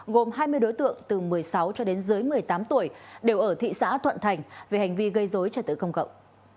gồm hai mươi đối tượng từ một mươi sáu cho đến dưới một mươi tám tuổi đều ở thị xã thuận thành về hành vi gây dối trật tự công cộng